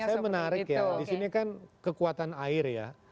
tapi saya menarik ya disini kan kekuatan air ya